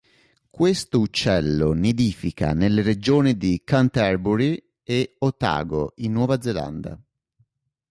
Questo uccello nidifica nelle regioni di Canterbury e Otago in Nuova Zelanda.